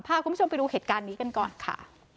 พาคุณผู้ชมไปดูเหตุการณ์นี้กันก่อนค่ะ